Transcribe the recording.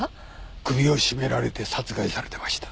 首を絞められて殺害されてました。